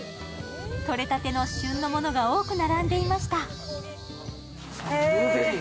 とれたての旬のものが多く並んでいました。